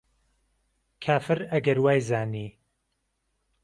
کافر ئهگهر وای زانی